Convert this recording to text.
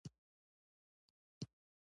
جرئت د شک زېږنده دی.